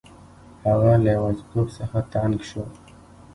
هغه له یوازیتوب څخه تنګ شو.